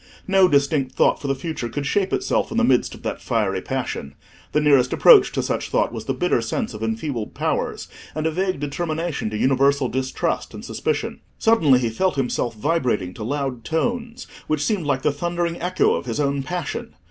No distinct thought for the future could shape itself in the midst of that fiery passion: the nearest approach to such thought was the bitter sense of enfeebled powers, and a vague determination to universal distrust and suspicion. Suddenly he felt himself vibrating to loud tones, which seemed like the thundering echo of his own passion.